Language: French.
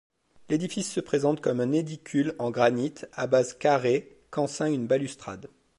L'édifice se présente comme un édicule en granite à base carrée qu'enceint une balustrade.